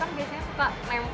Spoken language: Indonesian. kek gelato memasaknya